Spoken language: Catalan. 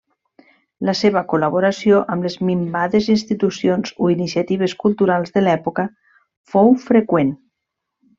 La seva col·laboració amb les minvades institucions o iniciatives culturals de l'època fou freqüent.